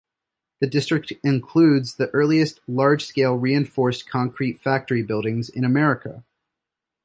The district includes the earliest large-scale reinforced concrete factory buildings in America.